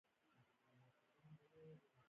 ملګرو یې ترې ډیر څه زده کړل.